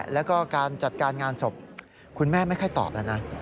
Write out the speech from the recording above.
แล้วก็การจัดการงานศพคุณแม่ไม่ค่อยตอบแล้วนะ